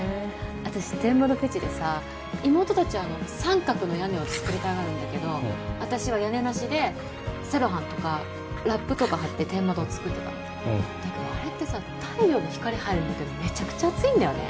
私天窓フェチでさ妹達は三角の屋根を作りたがるんだけど私は屋根なしでセロハンとかラップとか張って天窓を作ってただけどあれってさ太陽の光入るんだけどめちゃくちゃ暑いんだよね